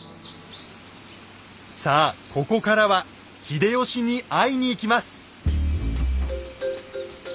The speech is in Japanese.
さあここからは秀吉に会いに行きます。